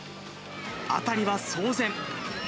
辺りは騒然。